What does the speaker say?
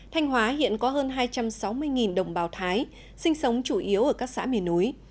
thanh hóa hiện có hơn hai trăm sáu mươi đồng bào thái sinh sống chủ yếu ở các xã miền núi